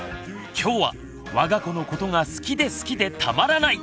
今日は我が子のことが好きで好きでたまらない！